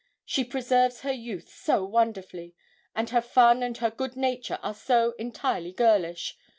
She preserves her youth so wonderfully, and her fun and her good nature are so entirely girlish.